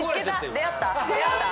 出会った？